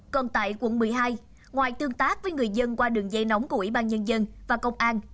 còn tại quận một mươi hai ngoài tương tác với người dân qua đường dây nóng của ủy ban nhân dân và công an